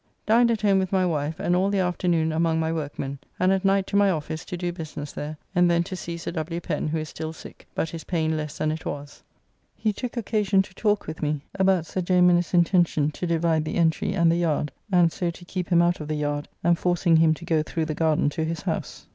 Dined at home with my wife, and all the afternoon among my workmen, and at night to my office to do business there, and then to see Sir W. Pen, who is still sick, but his pain less than it was. He took occasion to talk with me about Sir J. Minnes's intention to divide the entry and the yard, and so to keep him out of the yard, and forcing him to go through the garden to his house.